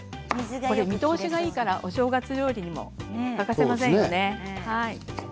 見通しがいいからお正月料理にも欠かせませんよね。